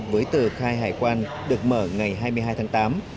với tờ khai hải quan được mở ngày hai mươi hai tháng tám